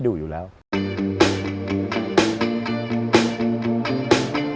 ปกติอยู่แล้วปกป้อง